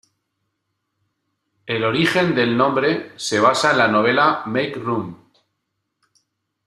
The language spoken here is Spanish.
El origen del nombre se basa en la novela "Make Room!